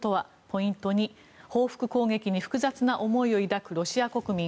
ポイント２報復攻撃に複雑な思い抱くロシア国民。